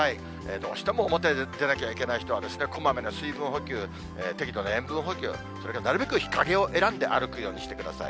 どうしても表に出なきゃいけない人は、こまめな水分補給、適度な塩分補給、それからなるべく日陰を選んで歩くようにしてください。